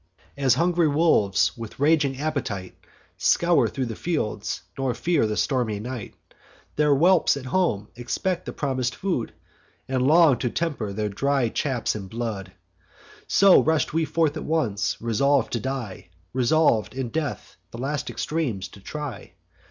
"As hungry wolves, with raging appetite, Scour thro' the fields, nor fear the stormy night; Their whelps at home expect the promis'd food, And long to temper their dry chaps in blood: So rush'd we forth at once; resolv'd to die, Resolv'd, in death, the last extremes to try.